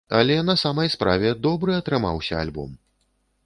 Але на самай справе, добры атрымаўся альбом.